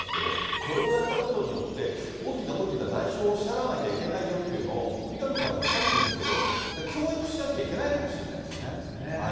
これをやったことによって、大きな大きな代償を支払わなきゃいけないよということを、三上さんもおっしゃってますけど、教育しなきゃいけないかもしれないですね。